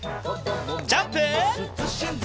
ジャンプ！